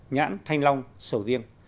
nhãn thanh long sầu riêng